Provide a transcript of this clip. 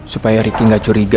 supaya riki gak curiga